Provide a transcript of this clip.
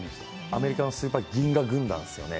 アメリカのスーパー銀河軍団ですよね。